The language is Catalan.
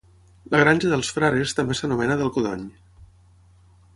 La Granja dels Frares també s'anomena del Codony